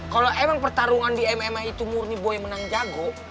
kalau emang pertarungan di mma itu murni boy menang jago